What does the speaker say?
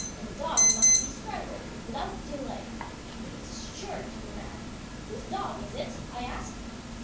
And the dog must be strangled. Without delay! It's sure to be mad. ... Whose dog is it, I ask?"